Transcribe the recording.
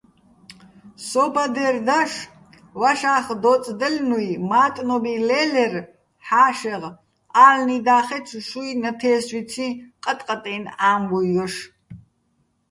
სო ბადერ დაშ ვაშა́ხდო́წდაჲლნუჲ მა́ტნობი ლე́ლერ ჰ̦ა́შეღ ა́ლნი და́ხეჩო შუჲ ნათე́სვიციჼ ყატყატეჲნო̆ ა́მბუჲ ჲოშ.